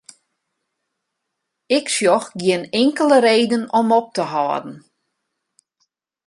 Ik sjoch gjin inkelde reden om op te hâlden.